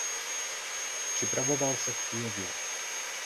Připravoval se v Kyjevě.